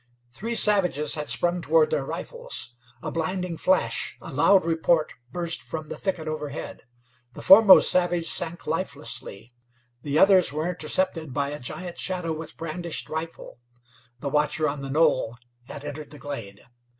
Three savages had sprung toward their rifles. A blinding flash, a loud report burst from the thicket overhead. The foremost savage sank lifelessly. The others were intercepted by a giant shadow with brandished rifle. The watcher on the knoll had entered the glade.